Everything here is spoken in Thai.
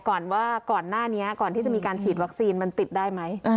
ก่อนว่าก่อนหน้านี้ก่อนที่จะมีการฉีดวัคซีนมันติดได้ไหม